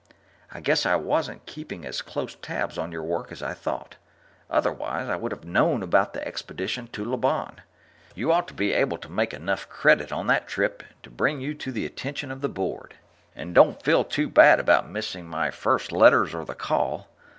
I guess I wasn't keeping as close tabs on your work as I thought: otherwise I would have known about the expedition to Lobon. You ought to be able to make enough credit on that trip to bring you to the attention of the Board. And don't feel too bad about missing my first letters or the call.